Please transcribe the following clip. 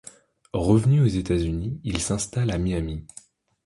Revenu aux États-Unis, il s’installe à Miami.